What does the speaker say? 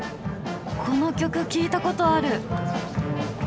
この曲聴いたことある。